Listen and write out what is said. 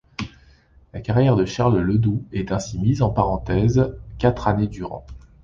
La carrière de Charles Ledoux est ainsi mise en parenthèse quatre années durant.